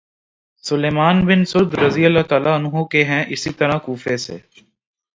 سلیمان بن سرد رض کے ہیں اسی طرح کوفہ سے